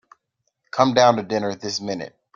Come down to dinner this minute.